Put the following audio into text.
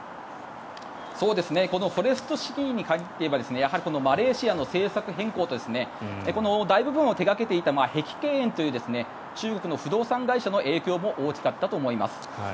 このフォレストシティーに限って言えばやはりマレーシアの政策変更とこの大部分を手掛けてきた碧桂園という中国の不動産会社の影響も大きかったと思います。